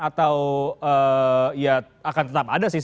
atau ya akan tetap ada sih